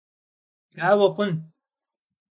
Daue xhun?